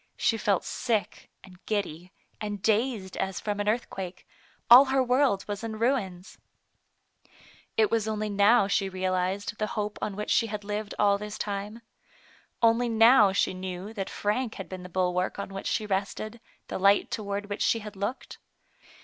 She felt sick, and giddy, and dazed as from an earthquake ; all her world was in ruins. It was only now she realized the hope on which she had lived all this time. Only now she knew that Frank had been the bulwark on which she rested, the light toward which she had looked.